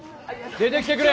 出てきてくれ。